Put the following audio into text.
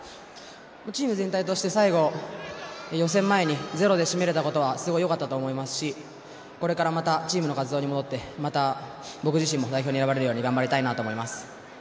チーム全体として最後予選前にゼロで締められたことはすごい良かったと思いますしこれからまたチームの活動に戻ってまた僕自身も代表に選ばれるよう頑張りたいと思います。